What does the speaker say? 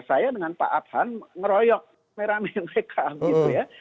saya dengan pak abhan ngeroyok meramik mereka gitu ya